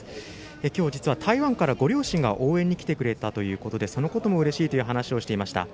今日実は台湾からご両親が応援に来てくれたということでそのこともうれしいと話をしていました。